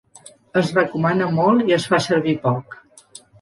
Es recomana molt i es fa servir poc.